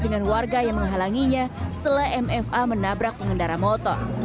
dengan warga yang menghalanginya setelah mfa menabrak pengendara motor